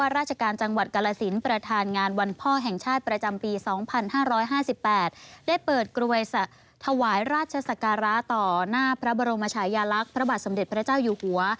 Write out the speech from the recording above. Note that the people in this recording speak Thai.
ราชสการาต่อหน้าพระบรมชายยาลักษมณ์พระบาทสมเด็จพระเจ้าอยู่หัว